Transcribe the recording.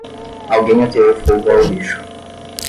Alguém ateou fogo ao lixo.